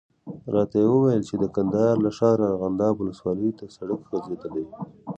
راته یې وویل چې د کندهار له ښاره ارغنداب ولسوالي ته سړک غځېدلی.